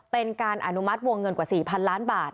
เป็นการอนุมัติวงเงินกว่า๔๐๐๐ล้านบาท